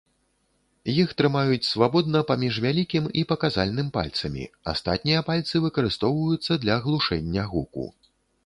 Іх трымаюць свабодна паміж вялікім і паказальным пальцамі, астатнія пальцы выкарыстоўваюцца для глушэння гуку.